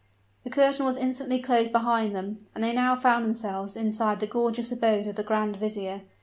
The curtain was instantly closed behind them; and they now found themselves inside the gorgeous abode of the grand vizier.